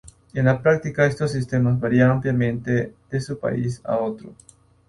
En la práctica, estos sistemas varían ampliamente de un país a otro.